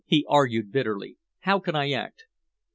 he argued bitterly. "How can I act?"